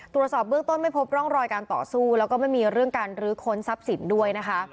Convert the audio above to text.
ตรวจสอบเบื้องต้นไม่พบร่องรอยการต่อสู้แล้วก็ไม่มีเรื่องการลื้อค้นทรัพย์สินด้วยนะคะ